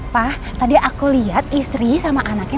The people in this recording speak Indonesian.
pak tadi aku lihat istri sama anaknya